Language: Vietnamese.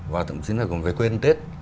và cũng phải quên tết